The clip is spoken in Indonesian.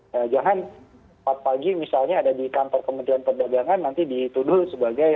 dan jangan pagi misalnya ada di kantor kementerian perdagangan nanti dituduh sebagai